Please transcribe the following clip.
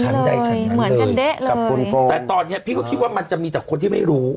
จำนี้เลยเหมือนกันเดรร์ฟลุนโครงแต่ตอนเนี้ยพี่ก็คิดว่ามันจะมีแต่คนที่ไม่รู้